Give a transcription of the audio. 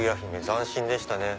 斬新でしたね。